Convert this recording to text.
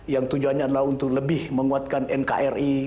yang tujuannya adalah untuk lebih menguatkan nkri